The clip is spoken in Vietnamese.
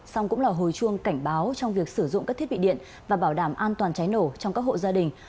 xong cũng là hồi chuông cảnh báo trong việc sử dụng các thiết bị điện và bảo đảm an toàn cháy nổ trong các hộ gia đình